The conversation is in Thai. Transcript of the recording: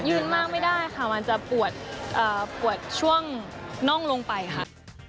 มากไม่ได้ค่ะมันจะปวดปวดช่วงน่องลงไปค่ะ